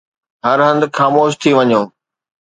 هر هنڌ خاموش ٿي وڃو.